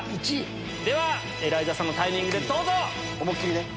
では、エライザさんのタイミング思いっ切りね。